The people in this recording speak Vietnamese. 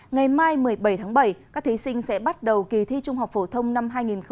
ngày mai một mươi bảy tháng bảy các thí sinh sẽ bắt đầu kỳ thi trung học phổ thông năm hai nghìn hai mươi hai nghìn hai mươi một